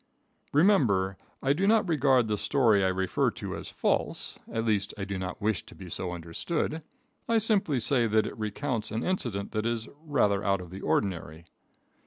Remember, I do not regard the story I refer to as false, at least I do not wish to be so understood. I simply say that it recounts an incident that is rather out of the ordinary.